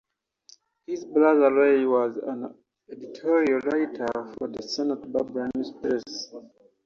His brother, Larry, was an editorial writer for the "Santa Barbara News-Press".